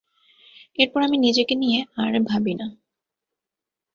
এরপর আমি নিজেকে নিয়ে আর ভাবি না।